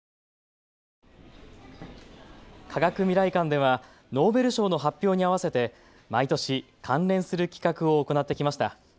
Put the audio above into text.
科学未来館ではノーベル賞の発表に合わせて毎年関連する企画を行ってきました。